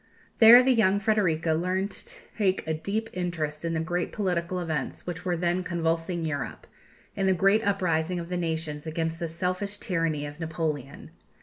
There the young Frederika learned to take a deep interest in the great political events which were then convulsing Europe in the great uprising of the nations against the selfish tyranny of Napoleon.